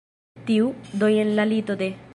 Tiu? Do jen la lito de